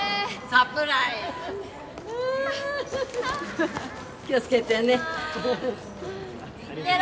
サプライズ気をつけてねああ